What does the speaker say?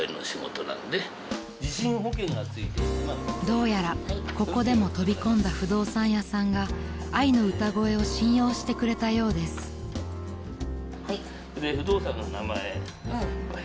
［どうやらここでも飛び込んだ不動産屋さんがあいの歌声を信用してくれたようです］で不動産の名前部屋番号。